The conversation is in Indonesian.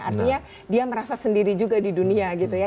artinya dia merasa sendiri juga di dunia gitu ya